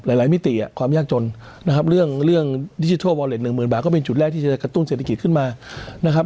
หลายมิติความยากจนนะครับเรื่องดิจิทัลวอเล็ตหนึ่งหมื่นบาทก็เป็นจุดแรกที่จะกระตุ้นเศรษฐกิจขึ้นมานะครับ